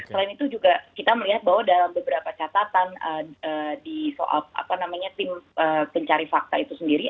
selain itu juga kita melihat bahwa dalam beberapa catatan di soal tim pencari fakta itu sendiri